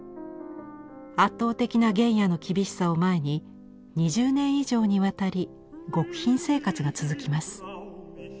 圧倒的な原野の厳しさを前に２０年以上にわたり極貧生活が続きます。